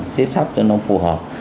xếp sắp cho nó phù hợp